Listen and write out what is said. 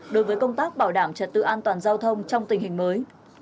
đối với công tác bảo đảm trật tự an toàn giao thông trong tình hình mới